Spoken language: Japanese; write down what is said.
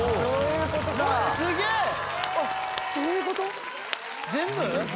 ・すごい！